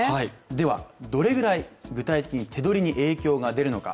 ではどれくらい具体的に手取りに影響が出るのか。